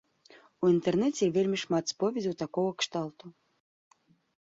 У інтэрнэце вельмі шмат споведзяў такога кшталту.